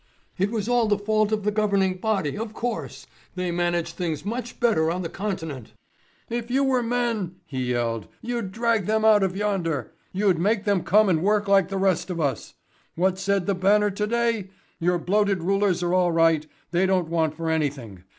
It was all the fault of the governing body, of course. They managed things much better on the Continent. "If you were men," he yelled, "you'd drag them out of yonder. You'd make them come and work like the rest of us. What said the Banner to day? Your bloated rulers are all right; they don't want for anything.